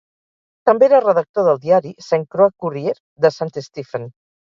També era redactor del diari "Saint Croix Courier" de Saint Stephen.